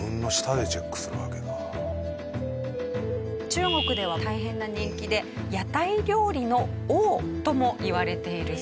中国では大変な人気で屋台料理の王ともいわれているそうです。